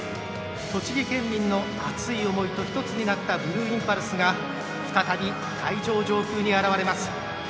栃木県民の熱い思いを１つになったブルーインパルスが再び会場上空に現れます。